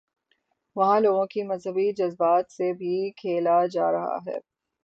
وہاں لوگوں کے مذہبی جذبات سے بھی کھیلاجا رہا ہے۔